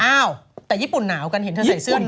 อ้าวแต่ญี่ปุ่นหนาวกันเห็นเธอใส่เสื้อนี้